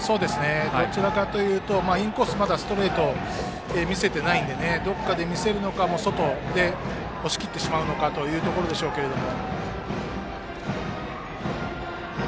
どちらかというとインコースへのストレートをまだ見せていないのでどこかで見せるのか外で押し切ってしまうのかというところでしょうけれども。